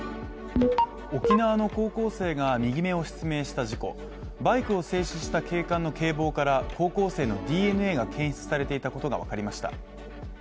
沖縄の高校生が右目を失明した事故バイクを制止した警官の警棒から高校生のＤＮＡが検出されていたことがわかりました。